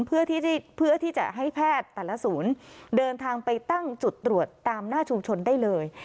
เพื่อที่จะให้แพทย์แต่ละศูนย์เดินทางไปตั้งจุดตรวจตามหน้าชุมชนได้เลย